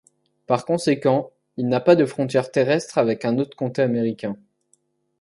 Par conséquent, il n'a pas de frontière terrestre avec un autre comté américain.